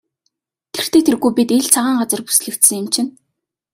Тэртэй тэргүй бид ил цагаан газар бүслэгдсэн юм чинь.